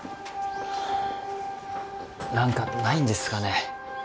何かないんですかね